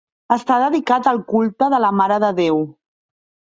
Està dedicat al culte de la Mare de Déu.